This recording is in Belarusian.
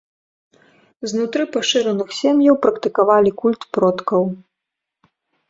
Знутры пашыраных сем'яў практыкавалі культ продкаў.